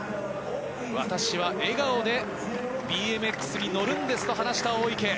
私は笑顔でＢＭＸに乗るんですと話した大池。